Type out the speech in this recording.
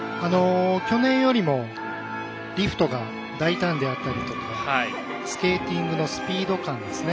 去年よりもリフトが大胆であったりとかスケーティングのスピード感ですね。